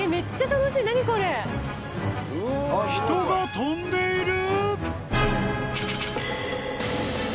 ［人が飛んでいる！？］